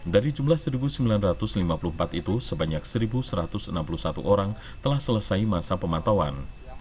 dari jumlah satu sembilan ratus lima puluh empat itu sebanyak satu satu ratus enam puluh satu orang telah selesai masa pemantauan